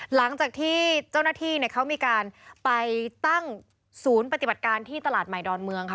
หลังจากที่เจ้าหน้าที่เขามีการไปตั้งศูนย์ปฏิบัติการที่ตลาดใหม่ดอนเมืองค่ะ